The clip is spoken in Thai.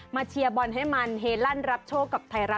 เชียร์บอลให้มันเฮลั่นรับโชคกับไทยรัฐ